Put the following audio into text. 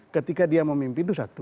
ketika dia memimpin itu satu